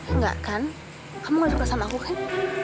enggak kan kamu gak suka sama aku kan